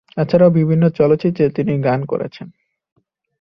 এছাড়াও বিভিন্ন চলচ্চিত্রে তিনি গান করেছেন।